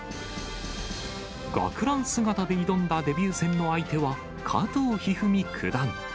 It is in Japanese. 学ラン姿で挑んだデビュー戦の相手は、加藤一二三九段。